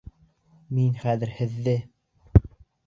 Мин хәҙер һеҙҙе!..